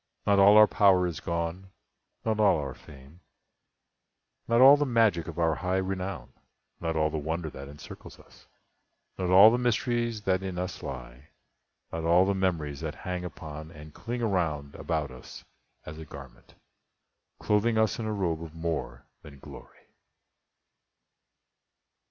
Not all our power is gone—not all our fame— Not all the magic of our high renown— Not all the wonder that encircles us— Not all the mysteries that in us lie— Not all the memories that hang upon And cling around about us as a garment, Clothing us in a robe of more than glory."